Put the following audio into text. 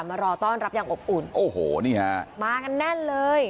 มารอต้อนรับอย่างอบอุ่นโอ้โหนี่ฮะมากันแน่นเลย